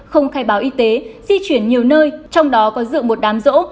không khai báo y tế di chuyển nhiều nơi trong đó có rượu một đám rỗ